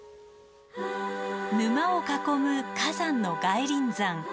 沼を囲む火山の外輪山。